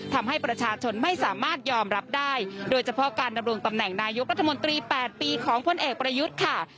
ทำให้ประชาชนไม่สามารถยอมรับได้โดยเฉพาะการดำรงตำแหน่งนายกรัฐมนตรี๘ปีของพลเอกประยุทธ์ค่ะ